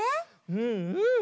うんうん。